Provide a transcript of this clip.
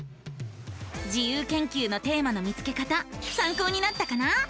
自由研究のテーマの見つけ方さんこうになったかな？